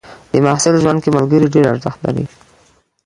د محصل ژوند کې ملګري ډېر ارزښت لري.